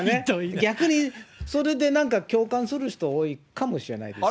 逆にそれでなんか、共感する人多いかもしれないですよね。